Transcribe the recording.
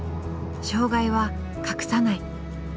障害は隠さない。